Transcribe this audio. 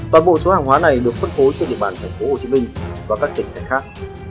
toàn bộ số hàng hóa này được phân phối trên địa bàn tp hcm và các tỉnh thành khác